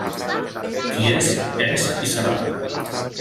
Qui és, és i serà.